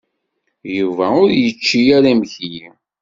Yuba ur yečči ara imekli.